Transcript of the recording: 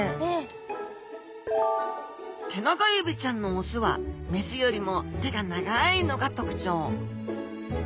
テナガエビちゃんの雄は雌よりも手が長いのが特徴。